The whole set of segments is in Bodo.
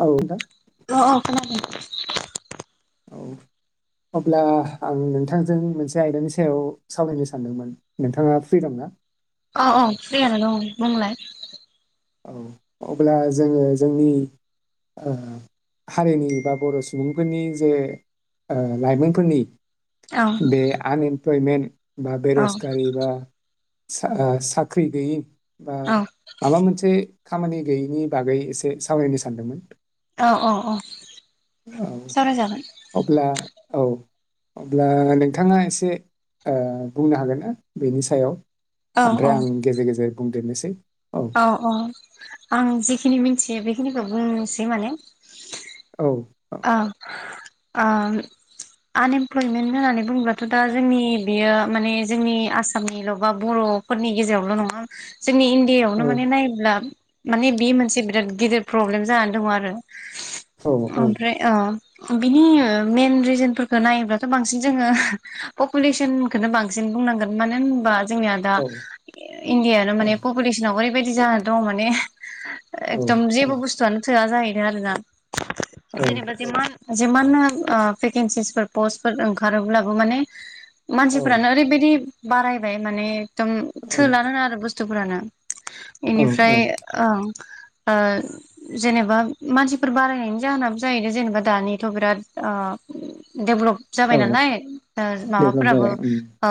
औ नोंथां अ अ खोनादों। औ अब्ला आं नोंथांजों मोनसे आयदानि सायाव सावरायनो सानदोंमोन नोंथाङा फ्रि दंना? औ औ फ्रियानो दं बुंलाय। औ अब्ला जोङो जोंनि ओ- हारिनि बा बर' सुबुंफोरनि जे ओ- लाइमोनफोरनि। औ बे आन एम- प्लयमेन्ट बा औ बेर'जगारि बा सा आ साख्रि गैयि। बा औ माबा मोनसे खामानि गैयिनि बागै एसे सावरायनो सानदोंमोन। औ औ औ औ सावरायजागोन। अब्ला औ अब्ला नोंथाङा एसे ओ- बुंनो हागोनना बेनि सायाव? औ औ ओमफ्राय आं गेजेर गेजेर बुंदेरनोसै- [unintelligible] औ औ आं जेखिनि मिनथि यो बेखिनिखौ बुंनोसै माने। औ औ ओम आनएमप्लयमेन्ट होननानै बुंब्लाथ' दा जोंनि बेयो माने जोंनि आसामनिल' बा बर'फोरनि गेजेरावल' नङा। जोंनि इण्डिया औ आवनो माने नायोब्ला। माने बे मोनसे बिराद गिदिर प्रब्लेम जानानै दङ आरो। औ औ ओमफ्राय ओ- बिनि मेन रिजोनफोरखौ नायोब्लाथ' बांसिन जोङो पपुलेसनखौनो बांसिन बुंनांगोन। मानो होनोबा जोंनिया दा औ इण्डियानो माने पपुलेसाव ओरै बेबायदि जा दं माने। औ एगदम जेबो बुस्थुआनो थोआ जाहैदों आरोना। जेनेबा जिमान जि मान ओ-भेकेसिसफोर पस्टफोर ओंखारोब्लाबो माने औ मानसिफ्रानो ओरैबायदि। बारायबाय माने एगदम थोलानो आरो बु स्थुफोरानो औ बेनिफ्राय ओं ओ जेनेबा मानसिफोर बारायनायनि जाहोना जाहैदों जेनेबा दानिथ' बिराद ओ डेभलप जाबाय औ नालाय ओ डेभेलप माबाफोराबो जाबाय उम औ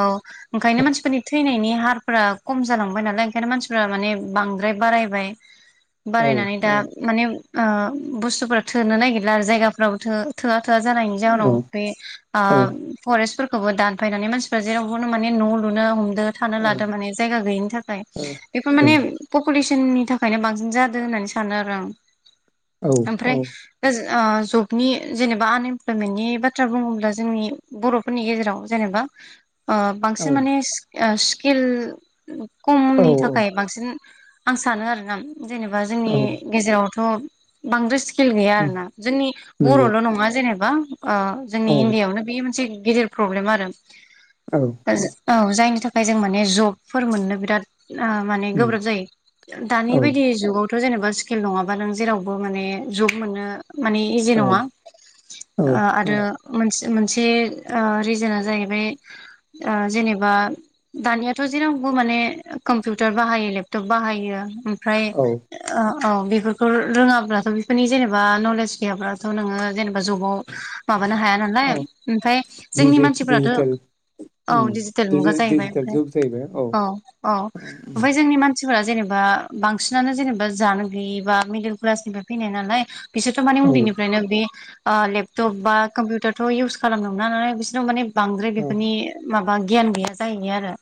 ओंखायनो मानसिफोरनि थैनायनि हार फोरा खम जालांबाय नालाय ओंखायनो मानसिफ्रा माने बांद्राय बारायबाय । औ बारायनानै दा माने ओ बुस्थुफोरा थोनो नायगिर ला आरो जायगाफ्राबो थो-थोआ जानायनि औ जाहनाव बे ओ औ परेष्टफोर खौबो दानफायनानै मानसिफ्रा जेरावबोनो माने न' लुनो हम दों थानो औ लादों माने जायगा गोयैनि थाखाय बेफोर माने पपुले सननि थाखायनो बांसिन जादों होननानै सानो आरो आं । औ औ। ओ जबनि जेनेबा आनइमप्लयमेन्टनि बाथ्रा बुङोब्ला जोंनि बर'फोरनि गेजेराव जेनेबा ओ बांसिन माने । स्किल औ खमनि थाखाय बांसिन आं सानो आरो ना । जेनेबा औ जोंनि गेजेराव थ' बांद्राय स्किल गैया उम ना जोंनि नंगौ बर'ल' नङा जेनेबा जोंनि औ इण्डियाआवनो बे मोनसे गिदिर प्रब्लेम आरो । औ जायनि था ओमफ्राय जों माने जबफोर मोननो बिराद । माने उम गोब्राब जायो दानि औ बायदि जुगाव थ' जेनेबा स्किल नङाबा नों जेरावबो माने जब मोननो मानि इजि औ नङा औ औ आरो मोनस मोनसे रिजोना जाहैबाय जेनेबा दानियाथ' जेरावबो माने कम्पिउटार बाहायो लेपटप बाहायो ओमफ्राय औ औ बेफोरखौ रोङाब्लाथ' बेफोरनि जेनेबा नलेस गैयाब्लाथ' नोङो । जेनेबा जबाव माबानो हाया नालाय औ ओमफ्राय जोंनि डिजि मानसिफोराथ' डिजिटेल औ उम दिजिटेल मुगा डिजि जाहैबाय डिजिटेल जुग जाहैबाय औ औ ओमफ्राय जोंनि मान सिफोरा जेनेबा बांसिनानो जेनेबा जानो गैयिबा मिडिल क्लासनिफ्राय फैनाय नालाय बिसोरथ' माने औ उन्दैनिफ्रायनो बे ओ लेपटप बा कम्पिउटारथ' इउस खालामनो मोना नालाय बिसोराव माने बांद्राय औ बेफोरनि मा आ गियान गैया जाहैयो आरो।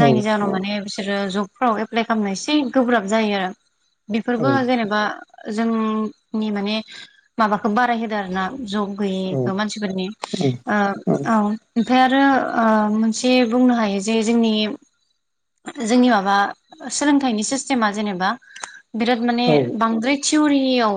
औ जाहोनाव माने बिसोरो जब फ्राव एप्लाइ खालामनो एसे गोब्राब जायो। औ बेफोरबो जेनेबा जों नि माने माबाखौ बाराय होदो आरोना। जब औ गैयैखौ मानसिफोरनि औ ओ औ। ओमफ्राय आरो ओ मोनसे बुंनो हायो जे जोंनि जोंनि माबा सोलोंथाइनि सिस्टेमा जेनेबा बिराद माने बांद्राय थिवरियाव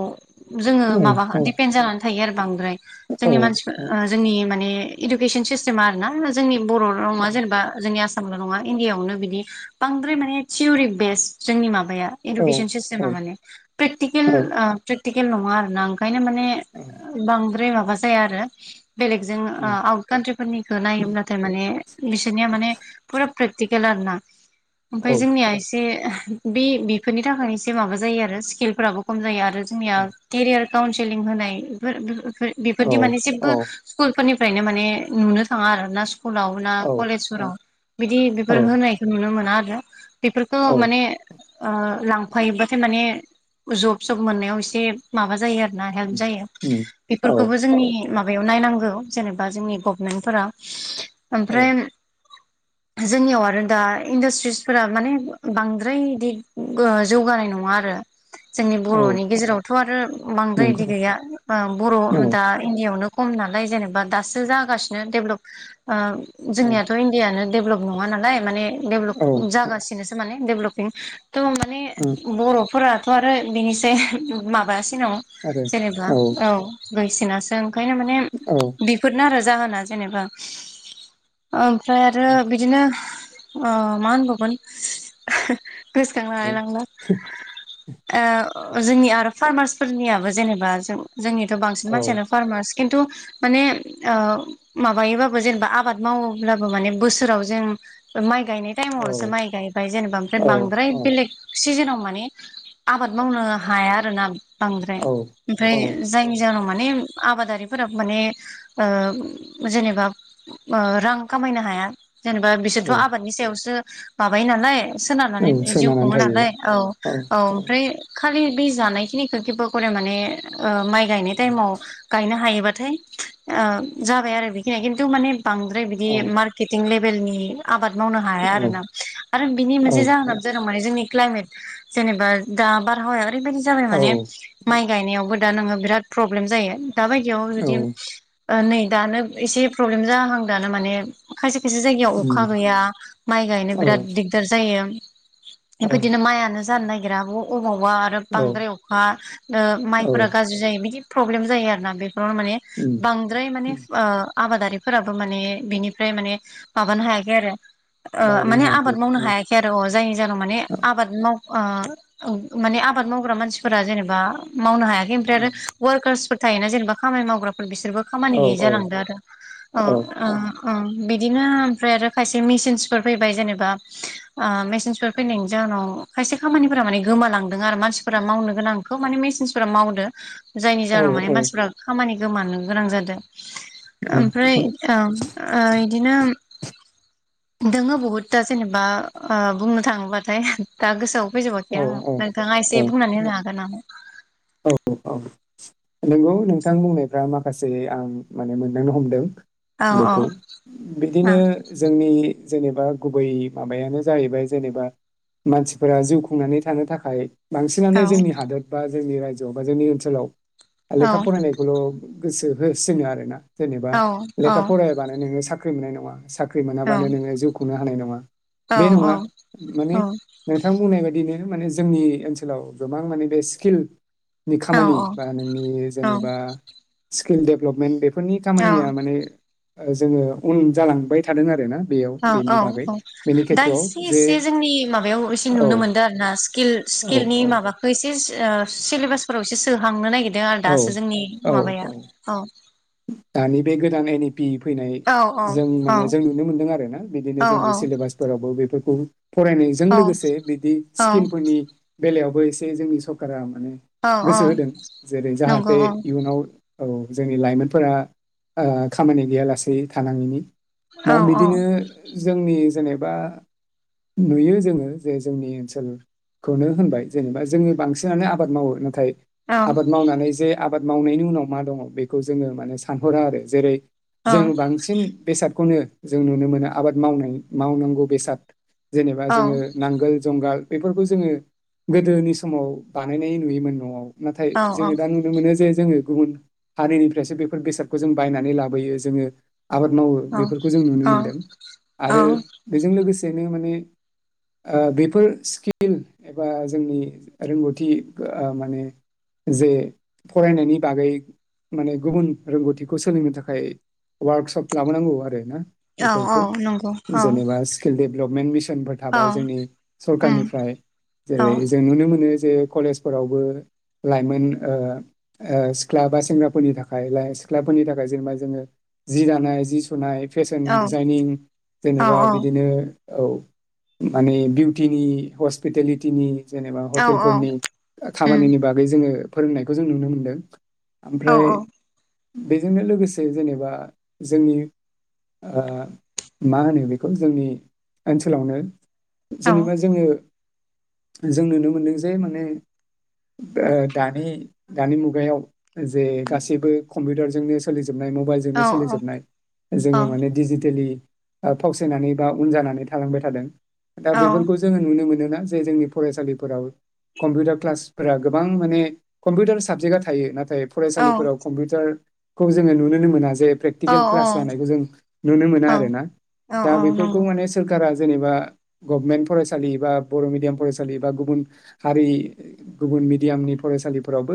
जोङो माबा दिपेन जानानै थायो आरो बांद्राय। जोंनि मानसिफोर ओ जोंनि माने इदुकेसन सिसटेम आरो ना जोंनि बर' रावा जेनेबा जोंनि आसाम नंगौना नंङा इण्डियावनो बिडि बांद्राय माने थिउरि बेसट जोंनि माबा या इइुकेसन सिसतेमा माने प्रेकटिकेल ओ टिकिल नंङा आरो ना ओंखायनो माने बांद्राय मा बा जाया आरो। बेलेग जों आउट कान्ट्रि फोरनिखौ नायोब्लाथाय माने बिसोरनिया माने फुरा प्रेकटिकेल आरोना। ओमफ्राय जोंनिया एसे बे बेफोरनि थाखाय एसे माबा जायो आरो स्किलफोराबो खम जायो आरो जोंनिया केरियार काउन्सेलिं होनायफोर बेफोरदि माने जेबो स्कुल फोरनिफ्रायनो माने नुनो थाङा आरो ना स्कुलाव ना कलेजफोराव बिदि बेफोर होनायखौ नुनो मोना आरो। [unintelligible] बेफोरखौ माने ओ लांफायोबाथाय माने जब सब मोननायाव एसे माबा जायो आरो ना हेल्प जायो। बेफोरखौबो जोंनि माबायाव नायनां औ जेनेबा जोंनि गभनमेन्ट फोरा ओमफ्राय जोंनियाव आरो दा इन्डास्ट्रिसफोरा माने बांद्राय बिदि ओ जौगानाय नङा आरो। जोंनि बर'नि गेजेराव थ' आरो बांद्राय नंगौ बिदि गैया बर' औ दा इण्डिआवनो खम नालाय जेनेबा दासो जागासिनो दडेभलप ओ जोंनियाथ' इण्डियानो डेभलप नङा नालाय माने डेभलप औ जागासिनोसो माने देपलबपिं त' माने उम बर'फोरा थ आरो बिनिसाय उम माबास सिनाव जेनेबा औ बायसिनासो आं ओंखायनो माने औ बेफोरनो आरो जाहोना जेनेबा औ ओमफ्राय आरो बिदिनो अ मा होनबावगोन गोसोखां हालाय लांला ओ जोंनि आरो फारमार्सफोरनियाबो जेनेबा जों जोंनिथ' बांसिन औ मानसियानो फार्मास खिन्थु माने ओ माबायोबाबो जेनेबा आबाद मावोब्लाबो माने बोसोराव जों ओ माइ गायनाय टाइमावसो माइ गायबाय जेनेबा ओफ्राय औ बांद्राय बेलेग सिजोनाव माने आबाद मावनो हाया [unintelligible] बांद्राय औ ओमफ्राय जायनि जाहोनाव माने आबादारि बेफोराबो माने ओ जेनेबा रां ओ खामायनो हाया जेनेबा औ बिसोरथ' आबादनि सायावसो माबायो नालाय सोनारनानै जिउ सोनारनानै खुङो थायो नालाय औ औ ओमफ्राय खालि बि जानाय खिनिखौ [unintelligible] माने ओमाइ गायनाय औ टाइमाव गायनो हायोबा थै जाबाय आरो बिखिनि खिथु माने बांद्राय बिदि औ मारकेटिं [unintelligible] [unintelligible] आबाद मावनो हाया औ आरोना आरो बिनि मोनसे जाहोना जादों माने जोंनि क्लाायमेट जेनेबा दा बारहावाया ओरैबायदि [unintelligible] माने माइ गायनायावबो दा नोङो बिराद प्रब्लेम जायो [unintelligible] बिदि नै दानो एसे प्रब्लेम जाहां दानो माने खायसे खायसे जायगायाव अखा गैया माइ गायनो बिराद दिगदार जायो औ बेफोरबायदिनो मायानो जानो नागिरा आब। अबावबा आरो। औ बांद्राय अखा माइफोरा औ गाज्रि जायो बिदि। प्रब्लेम जायो आरोना बे। माने उम बांद्राय माने। उम आबादारिफोराबो माने बिनिफ्राय माने माबानो हायाखै आरो। बारग'नो माने हायाखै आबाद मावनो औ हायाखै आरो अ जायनि जाहोनाव माने आबाद माव। ओ औ माने। आबाद मावग्रा मानसिफोरा जेनेबा मावनो हाया। इमफ्राय आरो वर्ककास। थायोना जेनेबा खामानि मावग्राफोर। बिसोरबो खामानि औ गैयै जालांदो आरो। औ बिदिनो ओमफ्राय आरो खायसे मेसिनसफोर फैबाय जेनेबा मेसिनसफोर फैनायनि जााहोनाव खायसे खामानिफोरा माने गोमालांदों आरो मानसिनिया। मानसिफोरा मावनो गोनांखौ माने मेसिनसफोरा मावदों। जायनि औ जाहोनाव माने मानसिफ्रा खामानि। गोमानो गोनां जादों। ओमफ्राय। बिदिनो दंङो बुहुद दा जेनेबा बुंनो थाङोबाथाय दा गोसोआव। औ फैजोबाखै आंङो औ नोंथाङा एसे। मनो जागोना [inaudible] औ औ औ। नंगौ नोंथां बुंनायफ्रा माखासे आं माने मोनदांनो हमदों। औ औ बेखौ बिदिनो जोंनि जेनेबा गुबै माबायानो जाहैबाय जेनेबा मानसिफोरा जिउ खुंनानै थानो थाखाय बांसिनानो औ जोंनि हादोर बा जोंनि रायजोआव बा जोंनि ओनसोलाव लेखा औ फरायनायखौल' गोसो होसिनो आरो ना। जेनेबा औ लेखा फरायाबानो नोङो साख्रि ख्रि मोननाय नङा। साख्रि औ मोनाबानो नोङो जिउ खुंनो हानाय नङा औ बे नङा माने नोंथां बुंनाय बायदि दिनो माने जोंनि ओनसोलाव गोबां माने बे स्किल नि औ खामानि बा नोंनि औ जेनेबा स्किल देभेलपमेन्ट बे बेफोरनि औ खामानिया माने जोङो उन जालांबाय थादों आरोना। बेयाव औ बेनि औ बागै औ बेनि दा खेथ्रआव इसे जे इसे जोंनि माबायाव एसे औ नुनो मोनदों आरो ना स्किल औ स्किलनि औ माबाखौ एसे सिलेबासफोराव एसे सोहांनो नागिर दो आरो औ दासो जोंनि माबाया औ। दानि बे गोदान एनि बि फैनाय औ औ जों औ माने जों नुनो मोनदों आरोना बिदिनो औ जोंनि सिलेबासफोरावबो बेफोर खौ फरायनायजों औ लोगोसे बिदि औ स्किलफोरनि बेलायावबो एसे जोंनि सरकारा माने औ औ गोसो होदों जेरै नंगौ जाहाथे औ इयुनाव औ जोंनि लाइमोन फोरा आ खामानि गैया लासै थानांयिनि दा औ औ बिदिनो जोंनि जेनेबा नुयो जोङो जे जोंनि ओनसोलखौनो होनबाय जेनेबा जोङो बांसिनानो आबाद मावो नाथाय औ आबाद मावनानै जे आब आबाद मावनायनि उनाव मा दङ बेखौ जोङो माने सानहरा आरो जेरै औ जों बांसिन बेसाद खौनो जों नुनो मोनो आबाद मावनाय मावनांगौ बेसाद जेनेबा औ जोङो नांगोल जुंगाल बेफोरखौ जोङो गोदोनि समाव बानायनाय नुयोमोन न'आव। नाथाय औ जोङो दा नुनो मोनो जे जोङो गुबुन हारिनि फ्रायसो बेफोर बेसादखौ जों बायनानै लाबोयो जोङो आबाद मावो औ बेफोरखौ जों नुनो मोनदों औ आरो बेजों लोगोसे बेनो माने ओ बेफोर स्किल एबा जोंनि रोंगौथि माने जे फरायनायनि बागै माने गुबुन रोंगौथिखौ सोलोंनो थाखाय वार्कशप लाबोनांगौ आरो ना। बेफोरखौ नंगौ औ जेनेबा स्किल डेभेलपमेन्ट मिसनफोर औ थाबाय जोंनि उम सरखारनिफ्राय औ जेरै जों नुनो मोनो बे कलेजफोरावबो लाइमोन ओ ओ सिख्ला बा सेंग्रा फोरनि थाखाय सिख्लाफोरनि थाखाय जेनेबा जोङो जि दानाय जि सुनाय फेशन औ डिजाइनिं औ जेनेबा औ बिदिनो औ माने बिउटिनि हस्पिटेलिटिनि जेनेबा औ औ हटेलफोरनि उम खामानिनि बागै जोङो फोरोंनायखौ जों नुनो मोनदों। औ ओमफ्राय बेजोंनो लोगोसे जेनेबा जोंनि ओ मा होनो बेखौ जोंनि ओनसोलावनो जेनेबा जोङो जों नुनो मोनदों जे माने ओ दानि दानि मुगायाव जे गासैबो कम्पिउटारजोंनो सोलि जोबनाय मबाइलजोंनो औ सोलिजोबनाय जोङो औ माने डिजिटेलि फावसायनानै बा उन जानानै थालांबाय थादों। दा औ औ बेफोरखौ जोङो नुनो मोनो जे जोंनि फरायसालिफोराव कम्पिउटार क्लासफोरा गोबां माने कम्पिउटार साबजेक्टआ थायो नाथाय औ फरायसालिफोराव कम्पिउटार खौ जोङो नुनोनो मोना जे औ प्रेकटिकेल क्लास जानायखौ जों नुनो मोना औ आरोना औ दा औ बेफोरखौ नंगौ माने सोरखारा जेनेबा गभमेन्ट फरायसालि बा बर' मिडियाम फरायसालि बा गुबुन हारि गुबुन मिडियामनि फरायसालिफोरावबो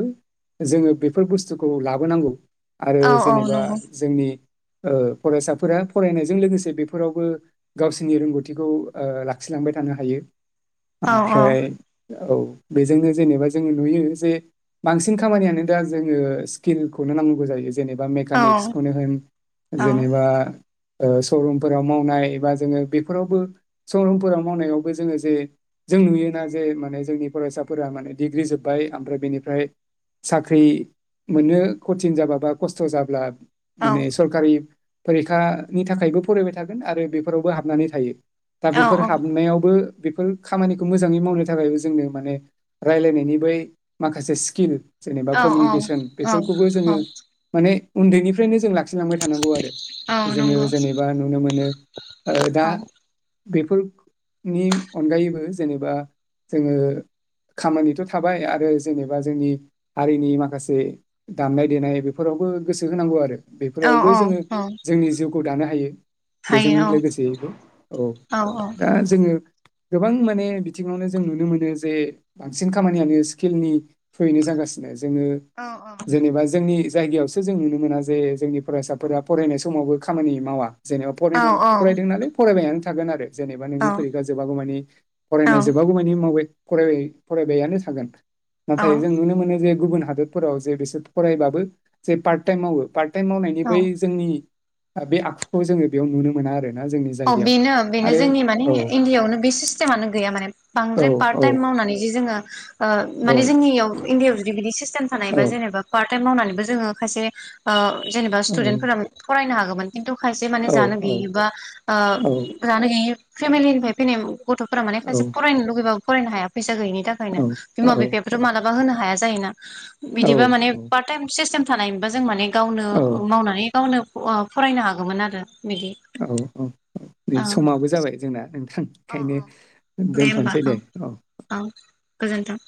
जोङो बेफोर बुस्थुखौ लाबोनांगौ। आरो औ औ जेनेबा नंगौ जोंनि ओ फरायसाफोरा फरायनायजों लोगोसे बेफोरावबो गावसोरनि रोंगौथिखौ ओ लाखिलांबाय थानो हायो। औ औ ओमफ्राय औ बेजोंनो जेनेबा जोङो नुयो जे बांसिन खामानियानो दा जोङो स्किलखौनो नांगौ जायो। जेनेबा औ मेकानिक्सखौनो होन औ जेनेबा शरुमफोराव मावनाय बा जोङो बेफोरावबो शरुमफोराव मावनायावबो जोङो जे जों नुयोना जे माने जोंनि फरायसाफोरा माने डिग्रि जोब्बाय ओमफ्राय बेनिफ्राय साख्रि मोननो खथिन जाब्ला बा खस्थ' जाब्ला औ माने सरकारि फरिखानि थाखायबो फरायबाय थागोन आरो बेफोरावबो हाबनानै थायो। दा बेफोर हाबनायावबो बेफोर खामानिखौ मोजाङै मावनो थाखायबो जोंनो माने रायलायनायनि बै माखासे स्किल जेनबा औ कमिनिकसन बेफोरखौबो औ जोङो माने उन्दैनिफ्रायनो जों ला खिलांबाय थानांगौ आरो जोङो नंगौ जेनेबा नुनो मोनो दा औ बेफोरनि अनगायैबो जेनेबा जोङो खामानिथ' थाबाय आरो जेनेबा जोंनि हारिनि माखासे जेरै दामनाय देनाय बेफोरावबो गोसो होनांगौ आरो औ बेफोरावबो औ जोङो औ जोंनि जिउखौ दानो हायो बेजों हायो लोगोसेयैबो औ औ दा जोङो गोबां माने बिथिङावनो जों नुनो मोनो जे बांसिन खामानियानो स्किलनि थ्रुयैनो जागासिनो जोङो। औ जेनेबा जोंनि जायगायावसो जों नुनो मोना जे जोंनि फरायसाफोरा फरायनाय समावबो खामानि मावा। जेनेबा औ फरायनायाव फरायदों नालाय फरायबायानो थागोन आरो जेनेबा नोंनि फोरिखा जोबागौमानि फरायनाय जोबागौमानि मावबाय फराय फरायबायानो थागोन औ नाथाय जों नुनो मोनो जे गुबुन फोराव जे बिसोर फरायबाबो जे पार्ट टाइम मावो पार्ट टाइम मावनायनि औ औ बै जोंनि बे आखुखौ जोङो बेयाव नुनो मोना आरो जोंनि अ जायगायाव बेनो बेनो जोंनि माने औ इण्डियायावनो बे सिस्टेमानो गैया माने औ बांद्राय पार्ट औ टाइम मावनानैदि जों ङो ओ माने जोंनियाव इण्डियायाव जुदि बिदि सिस्टेम औ थानायबा जेनेबा पार्ट टाइम मावनानैबो जोङो खायसे ओ जेनेबा स्टुदेन्टफोरा फरायनो हागो किन्तु खायसे माने औ जानो गेयिबा ओ औ जानो गोयि फेमिलिनिफाइ फैनाय गथ'फोरा माने खायसे फरायनो लुगैबाबो फरायनो हाया फैस सा गैयिनि औ थाखायनो बिमा बिफायाबोथ' मालाबा होनो हा हाया जायो ना? बिदिबा औ माने पार्ट टाइम सिस्तेम थानायमोनबा जों माने गावनो औ मावनानै गावनो ओ फरायनो हागोमोन आरो बिदि औ ओ ओइ समाबो जाबाय जोंना नों अ खायनो अ दोनथ'नोसै दे अ गोजोनथों।